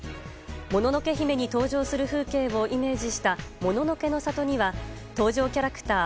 「もののけ姫」に登場する風景をイメージしたもののけの里には登場キャラクター